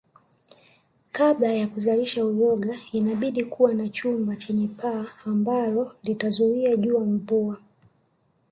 Kabla ya kuzalisha uyoga inabidi kuwa na chumba chenye paa ambalo litazuia jua mvua